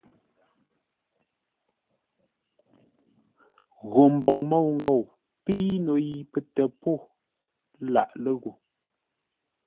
Gho mboŋ môu-ngou pei no yi pətə́ po laʼ lə́ gho.